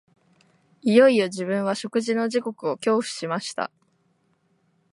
いよいよ自分は食事の時刻を恐怖しました